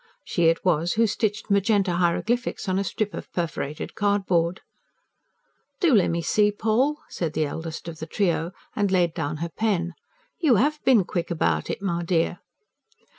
She it was who stitched magenta hieroglyphics on a strip of perforated cardboard. "Do lemme see, Poll," said the eldest of the trio, and laid down her pen. "You 'AVE bin quick about it, my dear."